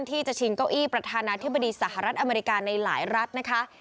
ที่จะชิงเก้าอี้ประธานาธิบดีสหรัฐอเมริกาในหลายรัฐนะคะ